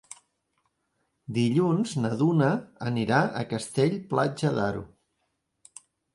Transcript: Dilluns na Duna anirà a Castell-Platja d'Aro.